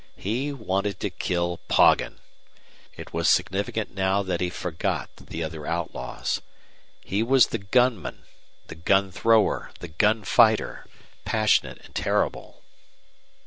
He wanted to kill Poggin. It was significant now that he forgot the other outlaws. He was the gunman, the gun thrower, the gun fighter, passionate and terrible.